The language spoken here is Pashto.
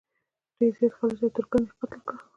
ډېر زیات خلج او ترکان یې قتل کړل.